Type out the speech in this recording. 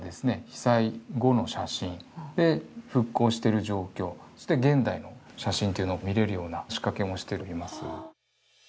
被災後の写真で復興してる状況そして現代の写真っていうのを見れるような仕掛けもしております。